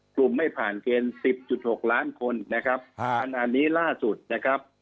กลุ่มไม่ผ่านเกณฑ์๑๐๖ล้านคนนะครับขณะนี้ล่าสุดนะครับ